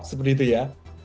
seperti itu ya